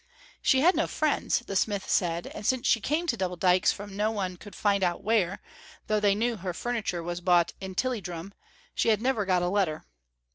She had no friends, the smith said, and since she came to Double Dykes from no one could find out where, though they knew her furniture was bought in Tilliedrum, she had never got a letter.